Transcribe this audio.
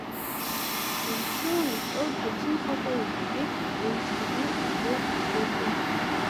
Еидшыланы столкгьы рзымхакәа, ҩбагьы рымҽхакны итәоуп џьоукы.